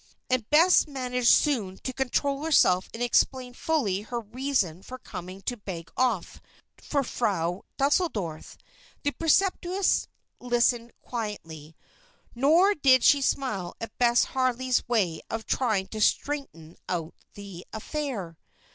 And Bess managed soon to control herself and explain fully her reason for coming to "beg off" for Frau Deuseldorf. The preceptress listened quietly; nor did she smile at Bess Harley's way of trying to straighten out the affair.